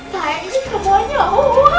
sayang ini semuanya uang